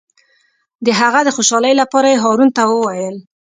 د هغه د خوشحالۍ لپاره یې هارون ته وویل.